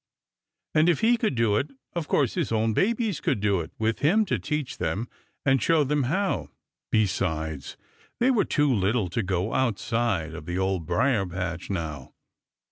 And if he could do it, of course his own babies could do it, with him to teach them and show them how. Besides, they were too little to go outside of the Old Briar patch now.